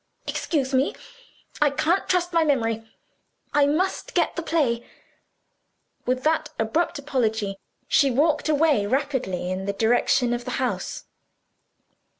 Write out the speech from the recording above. "Excuse me, I can't trust my memory: I must get the play." With that abrupt apology, she walked away rapidly in the direction of the house.